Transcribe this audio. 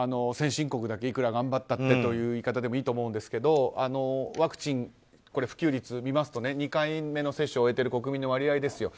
先進国だけいくら頑張ったってという言い方でもいいと思いますがワクチン普及率を見ますと２回目の接種を終えている割合です。